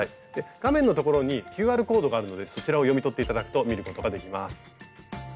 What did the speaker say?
画面のところにＱＲコードがあるのでそちらを読み取って頂くと見ることができます。